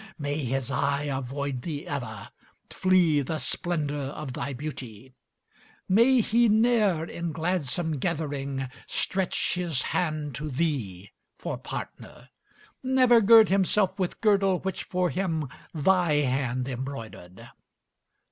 May his eye avoid thee ever, flee the splendor of thy beauty! May he ne'er, in gladsome gathering, stretch his hand to thee for partner! Never gird himself with girdle which for him thy hand embroidered!